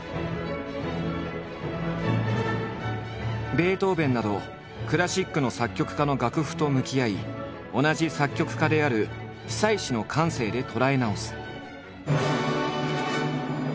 ベートーベンなどクラシックの作曲家の楽譜と向き合い同じ作曲家である久石の感性で捉え直す。